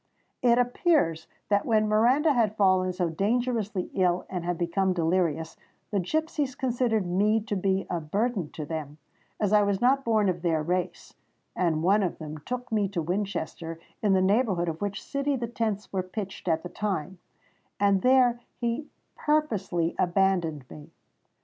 It appears that when Miranda had fallen so dangerously ill, and had become delirious, the gipsies considered me to be a burthen to them, as I was not born of their race; and one of them took me to Winchester, in the neighbourhood of which city the tents were pitched at the time; and there he purposely abandoned me.